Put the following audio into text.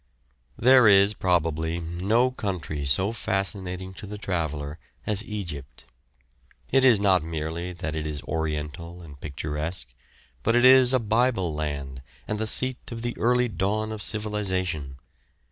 There is probably no country so fascinating to the traveller as Egypt. It is not merely that it is Oriental and picturesque, but it is a Bible land and the seat of the early dawn of civilisation.